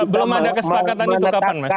belum ada kesepakatan itu kapan mas